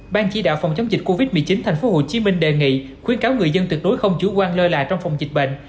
ban chỉ đạo phòng chống dịch covid một mươi chín thành phố hồ chí minh đề nghị khuyến cáo người dân tuyệt đối không chủ quan lơi lại trong phòng dịch bệnh